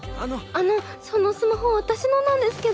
あのそのスマホ私のなんですけど。